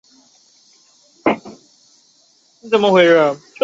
你能拿我咋地？